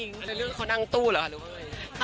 อันนี้เรื่องเขานั่งตู้เหรอหรือเปล่า